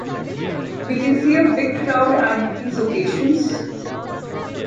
We can see a big crowd at these occasions.